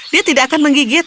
dia tidak akan menggigit